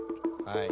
はい。